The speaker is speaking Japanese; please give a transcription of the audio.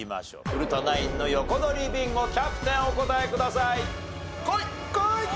古田ナインの横取りビンゴキャプテンお答えください。